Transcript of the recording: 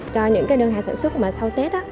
cho những đơn hàng sản xuất sau tết